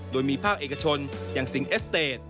โดยมีภาคเอกชนอย่างสิงเอสเตจ